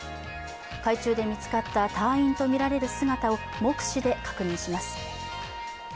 海中で見つかった隊員とみられる姿を目視で確認します。